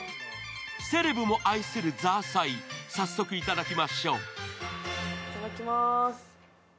セレブも愛するザーサイ、早速頂きましょう。